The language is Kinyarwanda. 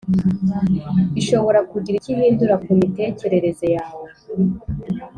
Ishobora kugira icyo ihindura ku mitekerereze yawe